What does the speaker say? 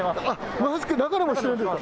マスク、中でもしてます。